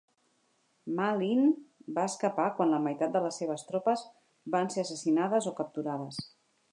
Ma Lin va escapar quan la meitat de les seves tropes van ser assassinades o capturades.